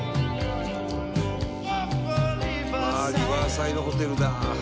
「ああ『リバーサイドホテル』だ」